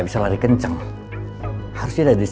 boleh nyari fires